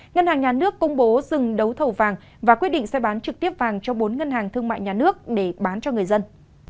ngân hàng nhà nước công bố dừng đấu thầu vàng và quyết định sẽ bán trực tiếp vàng cho bốn ngân hàng thương mại nhà nước để bán cho người dân